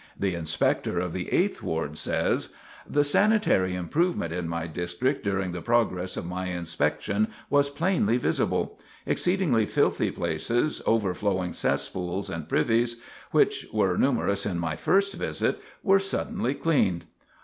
The Inspector of the Eighth Ward says: "The sanitary improvement in my district during the progress of my inspection was plainly visible. Exceedingly filthy places, overflowing cesspools, and privies, which were numerous in my first visit, were suddenly cleaned.